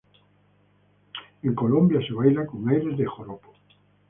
En Colombia se baila con aires de joropo.